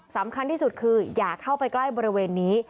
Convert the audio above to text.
สำคัญที่สุดคืออย่าเข้าไปใกล้บริเวณนี้